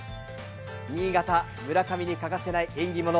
新潟・村上に欠かせないもの